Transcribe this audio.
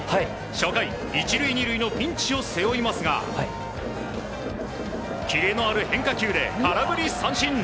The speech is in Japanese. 初回、１塁２塁のピンチを背負いますがキレのある変化球で空振り三振。